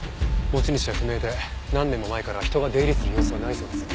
持ち主は不明で何年も前から人が出入りする様子はないそうです。